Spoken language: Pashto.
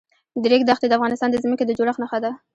د ریګ دښتې د افغانستان د ځمکې د جوړښت نښه ده.